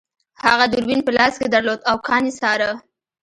هغه دوربین په لاس کې درلود او کان یې څاره